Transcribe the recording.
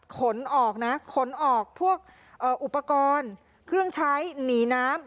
ขนออกนะขนออกพวกอุปกรณ์เครื่องใช้หนีน้ำ